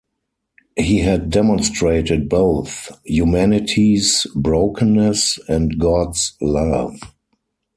He had demonstrated both humanity's brokenness and God's love.